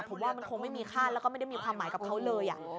ผมว่ามันคงไม่มีค่าแล้วก็ไม่ได้มีความหมายกับเขาเลย